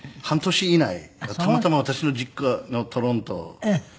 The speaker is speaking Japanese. たまたま私の実家のトロントで。